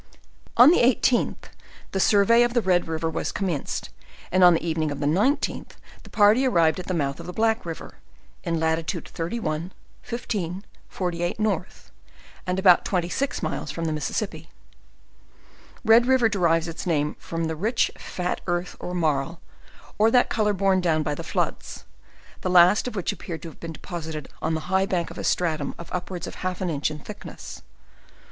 On the 18th, the survey of the Red river was commenced, and on the evening of the 19th, the party arrived at the mouth of the Black river, in latitude 31, 15, 48, N. and about 26 miles from the Mississippi* Red river derives its name from the rich fat earth or marl, or that color borne'down by the floods; the last of which appeared to have deposited on the high bank a stratum of upwards of half an inch in thickness.